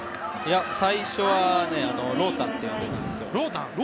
最初はろーたんって呼んでたんですよ。